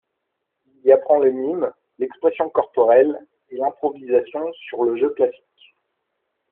Il y apprend le mime, l’expression corporelle et l’improvisation sur le jeu classique.